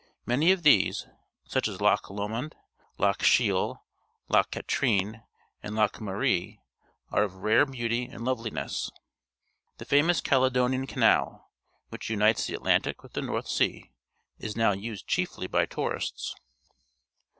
Many of these, such as Loch Lomond, Loch Shiel, Loch Ellen's Isle, Loch Katrine, Scotland Katrine, and Loch Maree, are of rare beauty and loveliness. The famous Caledonian Ca nal, which unites the Atlantic with the North Sea, is now used chiefly by tourists.